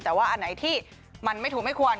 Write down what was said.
แต่ว่าอันไหนที่มันไม่ถูกไม่ควร